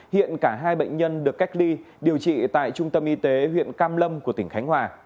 hiện cả hai bệnh nhân được cách ly điều trị tại trung tâm y tế huyện cam lâm của tỉnh khánh hòa